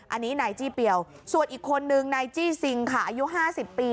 อันนี้นายจี้เปลี่ยวส่วนอีกคนนึงนายจี้ซิงค่ะอายุ๕๐ปี